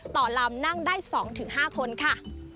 ต่อลำนั่งได้๒๕คนค่ะ